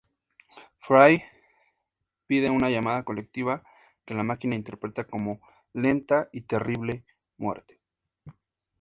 Fry pide una "llamada colectiva" que la máquina interpreta como "lenta y terrible" muerte.